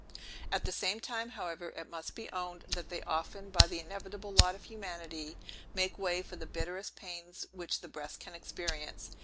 At the same time, however, it must be owned, that they often by the inevitable lot of humanity, make way for the bitterest pains which the breast can experience.